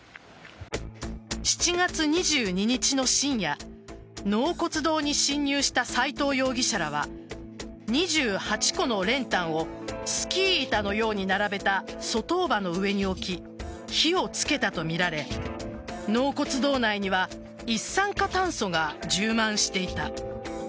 ７月２２日の深夜納骨堂に侵入した斎藤容疑者らは２８個の練炭をスキー板のように並べた卒塔婆の上に置き火をつけたとみられ納骨堂内には一酸化炭素が充満していた。